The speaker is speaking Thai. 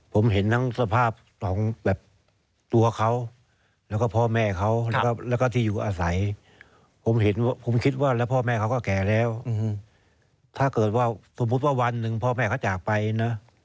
ผมเห็นว่าผมคิดว่าแล้วพ่อแม่เขาก็แก่แล้วถ้าเกิดว่าสมมุติว่าวันหนึ่งพ่อแม่เขาจากไปนะ